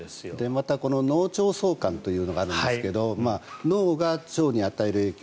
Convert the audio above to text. また、脳腸相関というのがあるんですけど脳が腸に与える影響